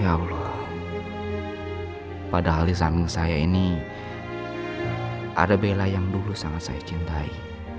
ya allah padahal di samping saya ini ada bela yang dulu sangat saya cintai